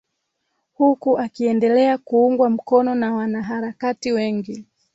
huku akiendelea kuungwa mkono na wanaharakati wengi